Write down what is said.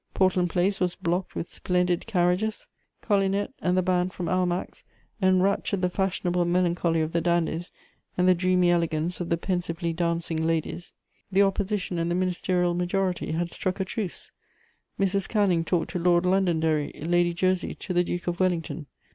Portland Place was blocked with splendid carriages. Collinet and the band from Almack's enraptured the fashionable melancholy of the dandies and the dreamy elegance of the pensively dancing ladies. The Opposition and the Ministerial majority had struck a truce: Mrs. Canning talked to Lord Londonderry, Lady Jersey to the Duke of Wellington.